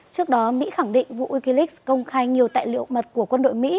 trước đó mỹ khẳng định vụ wikileaks công khai nhiều tài liệu mật của quân đội mỹ